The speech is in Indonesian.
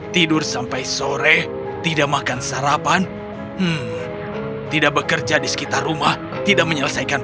tidur sampai sore tidak makan sarapan tidak bekerja di sekitar rumah tidak menyelesaikan